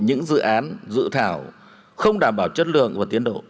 những dự án dự thảo không đảm bảo chất lượng và tiến độ